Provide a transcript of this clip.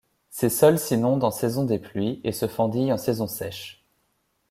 Ses sols s'inondent en saison des pluies et se fendillent en saison sèche.